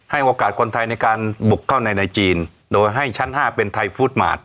โอกาสคนไทยในการบุกเข้าในในจีนโดยให้ชั้น๕เป็นไทยฟู้ดมาร์ท